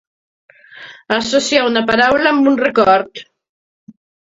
Associar una paraula amb un record.